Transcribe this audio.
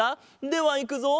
ではいくぞ。